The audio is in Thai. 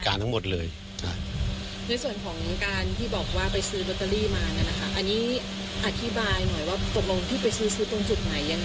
ก็กลงต้องรอท่านายก่อนดีกว่า